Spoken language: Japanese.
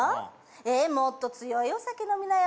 えっもっと強いお酒飲みなよ